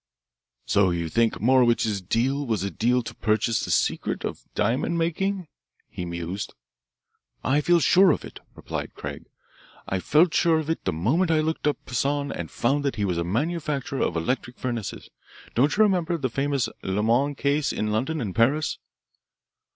"So you think Morowitch's deal was a deal to purchase the secret of diamond making?" he mused. "I feel sure of it," replied Craig. "I felt sure of it the moment I looked up Poissan and found that he was a manufacturer of electric furnaces. Don't you remember the famous Lemoine case in London and Paris?"